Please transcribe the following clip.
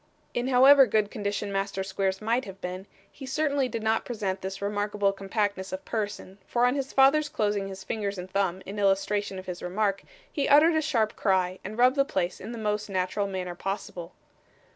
In however good condition Master Squeers might have been, he certainly did not present this remarkable compactness of person, for on his father's closing his finger and thumb in illustration of his remark, he uttered a sharp cry, and rubbed the place in the most natural manner possible.